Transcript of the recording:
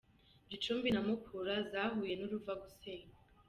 Gicumbi na mukura zahuye n’uruva gusenya